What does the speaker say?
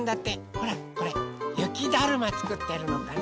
ほらこれゆきだるまつくってるのかな？